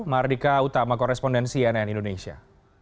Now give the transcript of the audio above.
mardika utama korespondensi nn indonesia